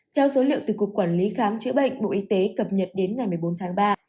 theo số liệu từ cục quản lý khám chữa bệnh bộ y tế cập nhật đến ngày một mươi bốn tháng ba